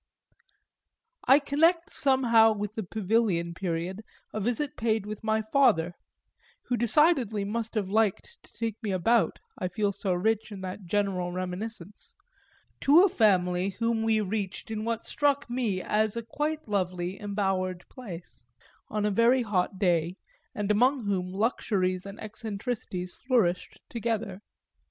I connect somehow with the Pavilion period a visit paid with my father who decidedly must have liked to take me about, I feel so rich in that general reminiscence to a family whom we reached in what struck me as a quite lovely embowered place, on a very hot day, and among whom luxuries and eccentricities flourished together.